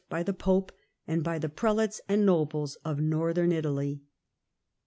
by the Pope and by the prelates and nobles of Northern Ilaly.